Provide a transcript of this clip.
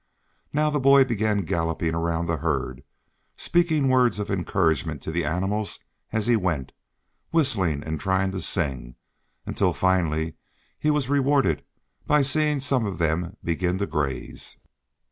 Now the boy began galloping around the herd, speaking words of encouragement to the animals as he went, whistling and trying to sing, until finally he was rewarded by seeing some of them begin to graze.